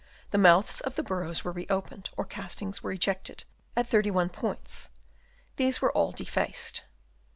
The mouths of the burrows were re opened, or castings were ejected, at 31 points; these were all defaced.